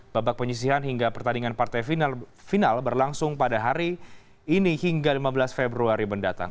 babak penyisihan hingga pertandingan partai final berlangsung pada hari ini hingga lima belas februari mendatang